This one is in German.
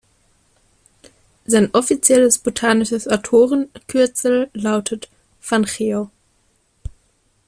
Sein offizielles botanisches Autorenkürzel lautet „Van Geel“.